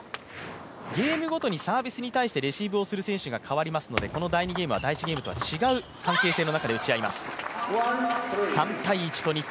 ゲームごとにサービスに対してレシーブをする選手が変わりますのでこの第２ゲームは第１ゲームと違う関係性で打っていきます。